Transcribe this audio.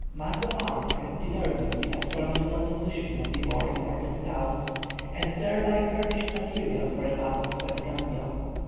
Mungo Park had determined the astronomical position of the more important towns, and thereby furnished material for a map of Senegambia.